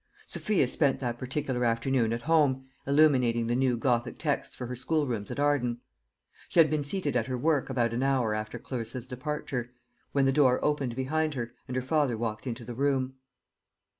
Sophia spent that particular afternoon at home, illuminating the new gothic texts for her schoolrooms at Arden. She had been seated at her work about an hour after Clarissa's departure, when the door opened behind her, and her father walked into the room.